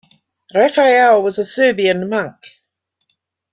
Raphael was a Serbian monk.